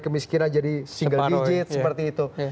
kemiskinan jadi single digit seperti itu